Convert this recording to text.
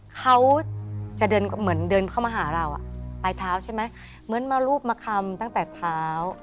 เขาจะเดินเหมือนเดินเข้ามาหาเราอ่ะปลายเท้าใช่ไหมเหมือนมารูปมาคำตั้งแต่เท้า